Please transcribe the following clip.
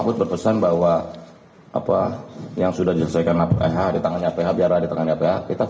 kita akan rapim ya di komenfo ini